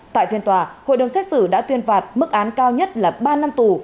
tại phiên tòa hội đồng xét xử đã tuyên phạt mức án cao nhất là ba năm tù